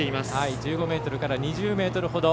１５ｍから２０ｍほど。